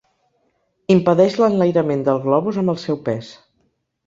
Impedeix l'enlairament del globus amb el seu pes.